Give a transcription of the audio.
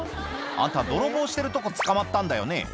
あんた泥棒してるとこ捕まったんだよね？